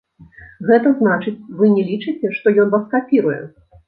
Гэта значыць, вы не лічыце, што ён вас капіруе?